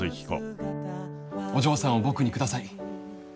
お嬢さんを僕に下さい。